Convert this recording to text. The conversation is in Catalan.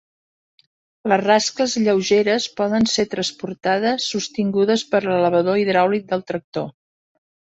Les rascles lleugeres poden ser transportades sostingudes per l'elevador hidràulic del tractor.